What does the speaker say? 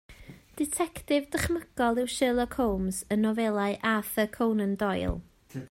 Ditectif dychmygol yw Sherlock Holmes yn nofelau Arthur Conan Doyle.